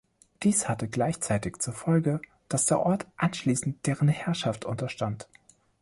Dies hatte gleichzeitig zur Folge, dass der Ort anschließend deren Herrschaft unterstand.